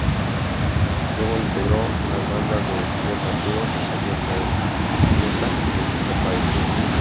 Luego integró las bandas de Miguel Mateos, Luis Alberto Spinetta y de Fito Páez.